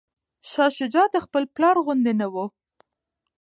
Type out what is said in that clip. شاه شجاع د خپل پلار غوندې نه و.